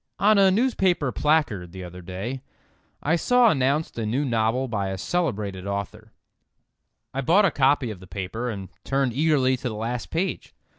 ON a newspaper placard, the other day, I saw announced a new novel by a celebrated author. I bought a copy of the paper, and turned eagerly to the last page.